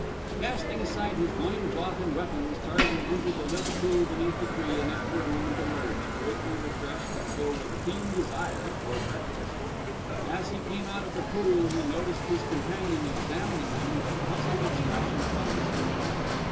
Casting aside his loin cloth and weapons Tarzan entered the little pool beneath the tree and after a moment emerged, greatly refreshed and filled with a keen desire to breakfast. As he came out of the pool he noticed his companion examining him with a puzzled expression upon his face.